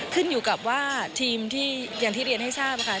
ขึ้นอยู่กับว่าทีมที่อย่างที่เรียนให้ทราบค่ะ